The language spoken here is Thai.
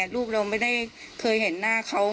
ลูกเราไม่ได้เคยเห็นหน้าเขา